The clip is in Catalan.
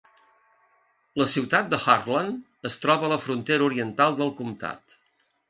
La ciutat de Hartland es troba a la frontera oriental del comtat.